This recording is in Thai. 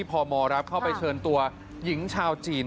พมรับเข้าไปเชิญตัวหญิงชาวจีน